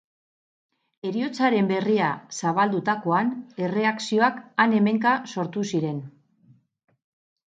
Heriotzaren berria zabaldutakoan, erreakzioak han-hemenka sortu ziren.